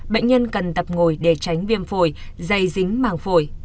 bệnh nhân cần tập ngồi để tránh viêm phổi dày dính màng phổi